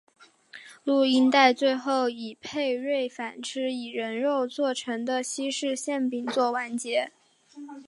录像带最后以佩芮反吃以人肉做成的西式馅饼作完结。